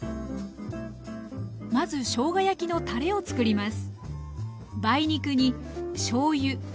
まずしょうが焼きのたれを作ります